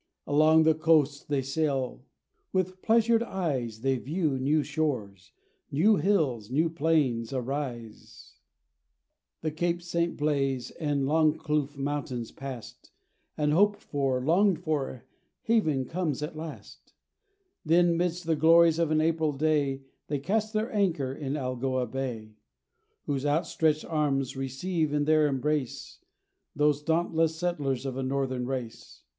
Along the coast they sail. With pleasured eyes They view new shores new hills, new plains, arise, The Cape St. Blaise and Longkloof Mountains past, The hoped for, longed for haven comes at last; Then, 'midst the glories of an April day, They cast their anchor in Algoa Bay, Whose outstretched arms receive in their embrace Those dauntless settlers of a Northern race.